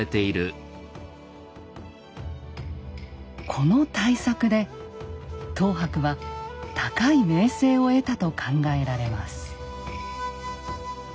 この大作で等伯は高い名声を得たと考えられます。